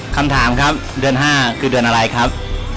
คำถามครับเดือน๕คือเดือนอะไรครับ